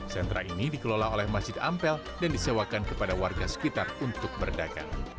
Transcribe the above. sentra ini dikelola oleh masjid ampel dan disewakan kepada warga sekitar untuk berdagang